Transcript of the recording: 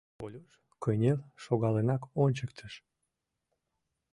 — Колюш кынел шогалынак ончыктыш.